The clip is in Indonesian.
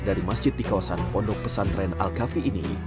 dari masjid di kawasan pondok pesantren al kafi ini